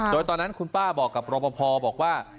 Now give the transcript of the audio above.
โดยตอนนั้นคุณป้าบอกกับรอปภบอกว่า